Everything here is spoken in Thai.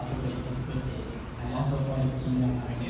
คุณคิดว่าเกินเท่าไหร่หรือไม่เกินเท่าไหร่